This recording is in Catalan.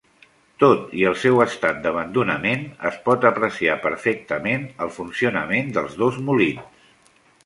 Tot i el seu estat d'abandonament, es pot apreciar perfectament el funcionament dels dos molins.